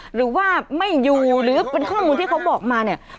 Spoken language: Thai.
หรือว่าไม่อยู่หรือเป็นข้อมูลที่เขาบอกมาเนี่ย